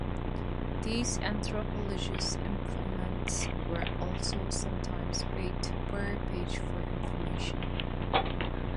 These anthropologists informants were also sometimes paid per page for information.